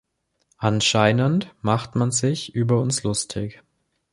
Anscheinend macht man sich über uns lustig.